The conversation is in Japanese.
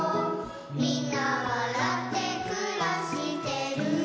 「みんなわらってくらしてる」